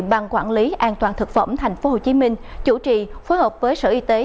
ban quản lý an toàn thực phẩm tp hcm chủ trì phối hợp với sở y tế